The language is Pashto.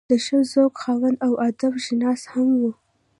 د ښۀ ذوق خاوند او ادب شناس هم وو